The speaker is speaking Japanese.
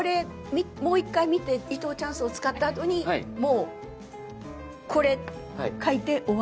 もう１回見て伊藤チャンスを使った後にもうこれ書いて終わる。